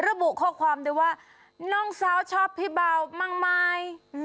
ระบุข้อความด้วยว่าน้องสาวชอบพี่เบามากมาย